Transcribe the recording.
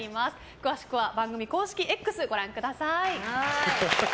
詳しくは番組公式Ｘご覧ください。